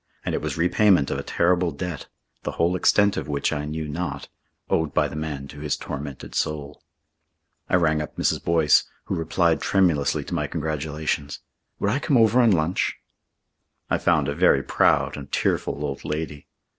And it was repayment of a terrible debt, the whole extent of which I knew not, owed by the man to his tormented soul. I rang up Mrs. Boyce, who replied tremulously to my congratulations. Would I come over and lunch? I found a very proud and tearful old lady.